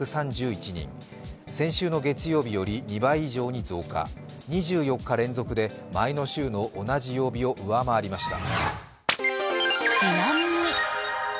先週の月曜日より２倍以上に増加、２４日連続で前の週の同じ曜日を上回りました。